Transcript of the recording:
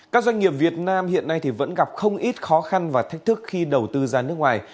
các doanh nghiệp việt nam hiện nay vẫn gặp không ít khó khăn và thách thức khi đầu tư ra nước ngoài